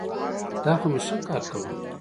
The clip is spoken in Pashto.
دا خو مي ښه کار کاوه.